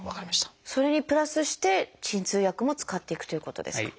それにプラスして鎮痛薬も使っていくということですか？